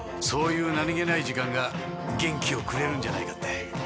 そういう何げない時間が元気をくれるんじゃないかって。